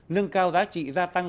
nâng cao giá trị gia tăng